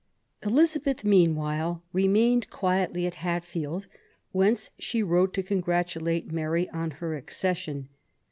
Elizabeth, meanwhile, remained quietly at Hat field, whence she wrote to congratulate Mary on her accession.